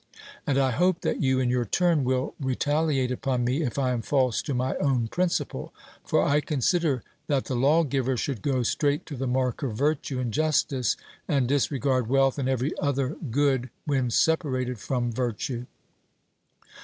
And I hope that you in your turn will retaliate upon me if I am false to my own principle. For I consider that the lawgiver should go straight to the mark of virtue and justice, and disregard wealth and every other good when separated from virtue.